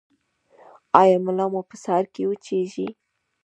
ایا ملا مو په سهار کې وچیږي؟